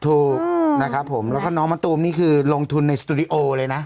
ถูกนะครับผมแล้วก็น้องมะตูมนี่คือลงทุนในสตูดิโอเลยนะ